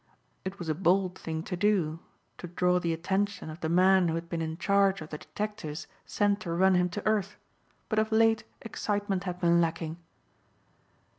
It was a bold thing to do, to draw the attention of the man who had been in charge of the detectives sent to run him to earth, but of late excitement had been lacking.